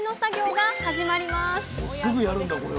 もうすぐやるんだこれを。